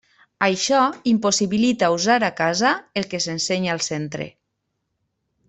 Això impossibilita usar a casa el que s'ensenya al centre.